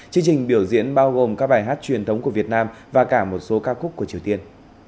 chương trình biểu diễn bao gồm các bài hát truyền thống của việt nam và cả một số ca khúc của triều tiên